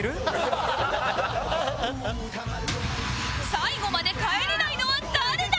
最後まで帰れないのは誰だ？